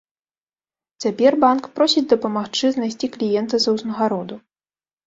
Цяпер банк просіць дапамагчы знайсці кліента за ўзнагароду.